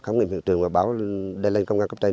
khám nghiệm hiệu trường và báo lên công an cấp tranh